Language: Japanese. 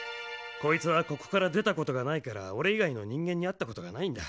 こいつはここからでたことがないからおれいがいのにんげんにあったことがないんだ。